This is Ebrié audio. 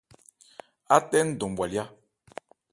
Á tɛ ńdɔn bhwalyá.